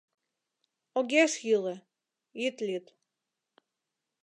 Огеш йӱлӧ — ит лӱд.